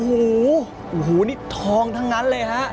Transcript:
โอ้โหนี่ทองทั้งนั้นเลยฮะ